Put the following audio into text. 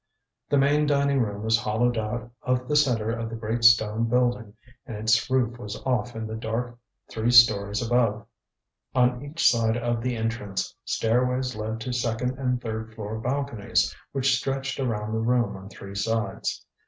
The main dining room was hollowed out of the center of the great stone building, and its roof was off in the dark three stories above. On each side of the entrance, stairways led to second and third floor balconies which stretched around the room on three sides.